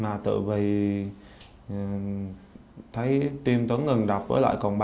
mà tự vì thấy tim tuấn ngừng đọc với lại còn ba